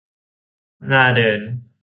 น่าเดิน